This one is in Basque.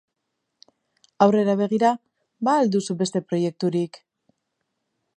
Aurrera begira, ba al duzu beste proiekturik?